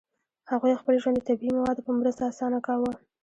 هغوی خپل ژوند د طبیعي موادو په مرسته اسانه کاوه.